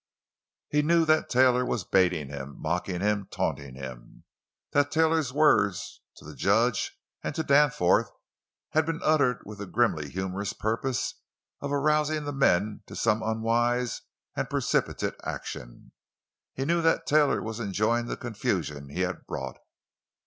He knew that Taylor was baiting him, mocking him, taunting him; that Taylor's words to the judge and to Danforth had been uttered with the grimly humorous purpose of arousing the men to some unwise and precipitate action; he knew that Taylor was enjoying the confusion he had brought.